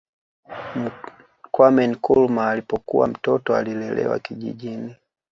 Kwame Nkrumah alipokuwa Mtoto alilelewa kijijini